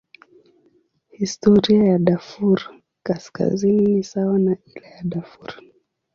Historia ya Darfur Kaskazini ni sawa na ile ya Darfur.